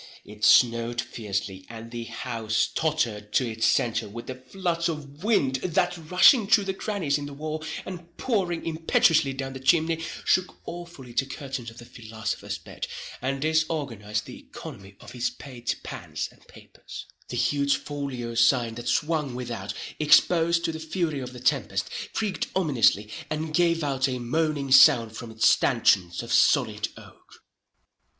It snowed fiercely, and the house tottered to its centre with the floods of wind that, rushing through the crannies in the wall, and pouring impetuously down the chimney, shook awfully the curtains of the philosopher's bed, and disorganized the economy of his pate pans and papers. The huge folio sign that swung without, exposed to the fury of the tempest, creaked ominously, and gave out a moaning sound from its stanchions of solid oak.